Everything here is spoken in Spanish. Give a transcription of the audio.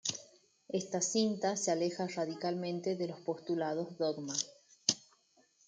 Esta cinta se aleja radicalmente de los postulados Dogma.